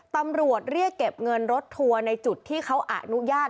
ตำรวจเรียกเก็บเงินรถทัวร์ในจุดที่เขาอนุญาต